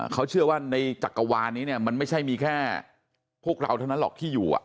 เขาเชื่อว่าในจักรวาลนี้เนี่ยมันไม่ใช่มีแค่พวกเราเท่านั้นหรอกที่อยู่